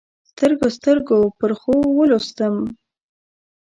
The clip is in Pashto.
سترګو، سترګو پرخو ولوستم